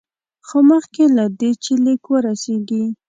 خو مخکې له دې چې لیک ورسیږي.